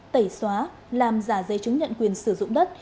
tẩy xóa làm giả giấy chứng nhận quyền sử dụng đất